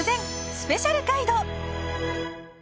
スペシャルガイド